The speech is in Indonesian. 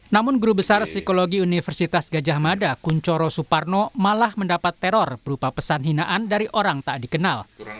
namun guru besar psikologi universitas gajah mada kunchoro suparno malah mendapat teror berupa pesan hinaan dari orang tak dikenal